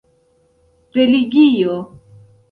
religio